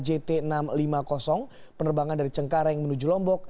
jt enam ratus lima puluh penerbangan dari cengkareng menuju lombok